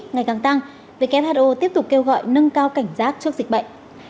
ngày càng tăng who tiếp tục kêu gọi nâng cao cảnh giác trước dịch bệnh